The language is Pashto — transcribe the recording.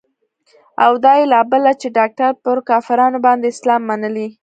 او دا يې لا بله چې ډاکتر پر کافرانو باندې اسلام منلى.